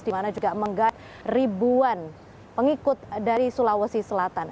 di mana juga menggait ribuan pengikut dari sulawesi selatan